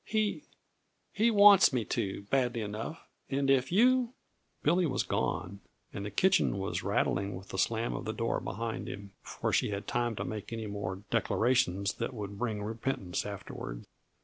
He he wants me to, badly enough, and if you " Billy was gone, and the kitchen was rattling with the slam of the door behind him, before she had time to make any more declarations that would bring repentance afterward.